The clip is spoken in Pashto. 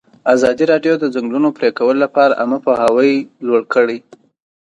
ازادي راډیو د د ځنګلونو پرېکول لپاره عامه پوهاوي لوړ کړی.